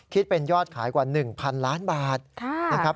คิดเป็นยอดขายกว่า๑๐๐๐ล้านบาทนะครับ